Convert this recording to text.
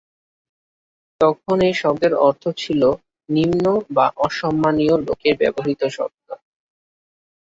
তখন এই শব্দের অর্থ ছিল "নিম্ন" বা "অসম্মানীয়" লোকের ব্যবহৃত শব্দ।